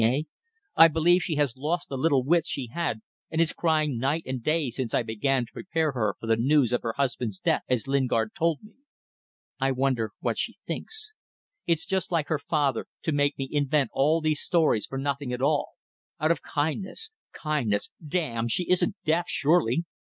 Eh? I believe she has lost the little wits she had and is crying night and day since I began to prepare her for the news of her husband's death as Lingard told me. I wonder what she thinks. It's just like father to make me invent all these stories for nothing at all. Out of kindness. Kindness! Damn! ... She isn't deaf, surely.